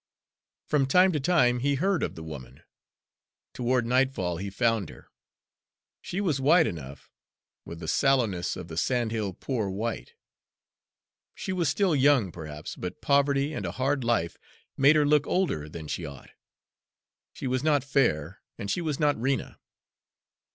From time to time he heard of the woman. Toward nightfall he found her. She was white enough, with the sallowness of the sandhill poor white. She was still young, perhaps, but poverty and a hard life made her look older than she ought. She was not fair, and she was not Rena.